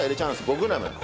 ５グラム。